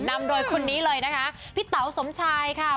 นำโดยคนนี้เลยนะคะพี่เต๋าสมชายค่ะ